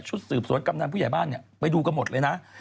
ชุดสืบสวนกำหนังผู้ใหญ่บ้านเนี้ยไปดูกันหมดเลยนะอืม